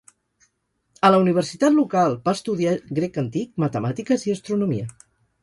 A la universitat local va estudiar grec antic, matemàtiques i astronomia.